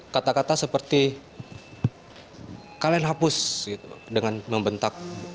kata kata seperti kalian hapus dengan membentak